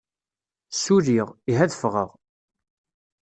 Ssuliɣ, ihi ad ffɣeɣ.